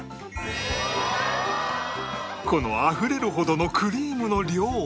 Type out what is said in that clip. このあふれるほどのクリームの量